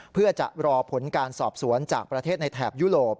เพื่อจะรอผลการสอบสวนจากประเทศในแถบยุโรป